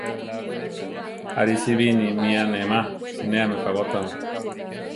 Arí si bi ni mi anéma, sinéami pakótuame.